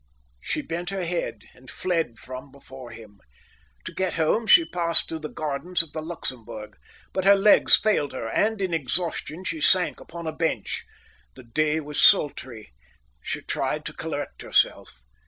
She bent her head and fled from before him. To get home she passed through the gardens of the Luxembourg, but her legs failed her, and in exhaustion she sank upon a bench. The day was sultry. She tried to collect herself.